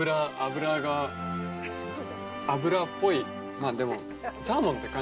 まぁでも。